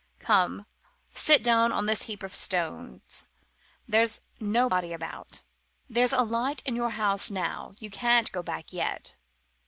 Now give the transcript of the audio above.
Come, sit down on this heap of stones there's nobody about. There's a light in your house now. You can't go back yet.